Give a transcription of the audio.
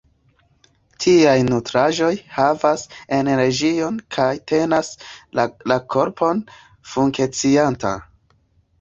Tiaj nutraĵoj havigas energion kaj tenas la korpon funkcianta.